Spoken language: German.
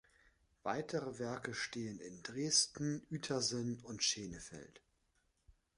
Weitere Werke stehen in Dresden, Uetersen und Schenefeld.